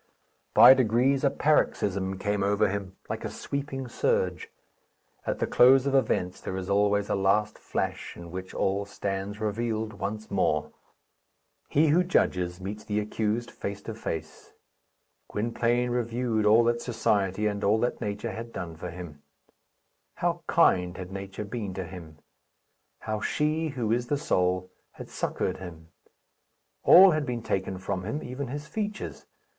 By degrees a paroxysm came over him, like a sweeping surge. At the close of events there is always a last flash, in which all stands revealed once more. He who judges meets the accused face to face. Gwynplaine reviewed all that society and all that nature had done for him. How kind had nature been to him! How she, who is the soul, had succoured him! All had been taken from him, even his features.